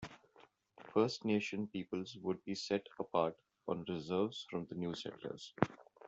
First Nation peoples would be set apart on reserves from the new settlers.